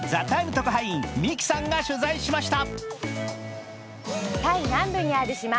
特派員ＭＩＫＩさんが取材しました。